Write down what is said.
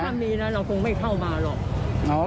ถ้ามีนะเราคงไม่เข้ามาหรอก